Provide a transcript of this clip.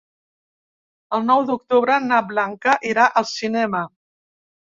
El nou d'octubre na Blanca irà al cinema.